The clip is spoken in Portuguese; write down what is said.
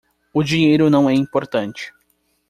O dinheiro não é importante.